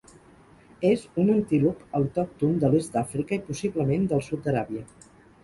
És un antílop autòcton de l'est d'Àfrica i, possiblement, del sud d'Aràbia.